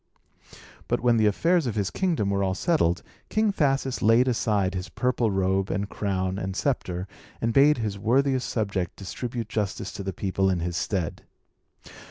But, when the affairs of his kingdom were all settled, King Thasus laid aside his purple robe, and crown, and sceptre, and bade his worthiest subject distribute justice to the people in his stead.